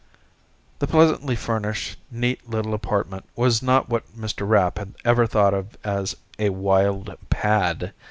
The pleasantly furnished, neat little apartment was not what Mr. Rapp had ever thought of as a "wild pad."